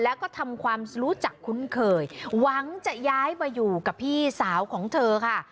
แล้วก็ทำความรู้จักคุ้นเคยหวังจะย้ายมาอยู่กับพี่สาวของเธอค่ะ